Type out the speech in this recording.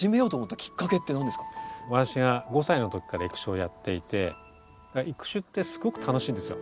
私が５歳の時から育種をやっていて育種ってすごく楽しいんですよ。